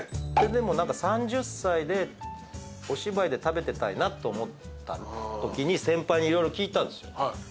でも何か３０歳でお芝居で食べてたいなと思ったときに先輩に色々聞いたんですよ。